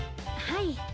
はい。